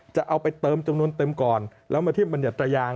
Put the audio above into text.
จะเอาไปเติมจำนวนเต็มก่อนแล้วมาเทียบบัญญัตรยาน